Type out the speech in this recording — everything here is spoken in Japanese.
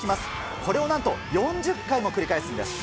これをなんと、４０回も繰り返すんです。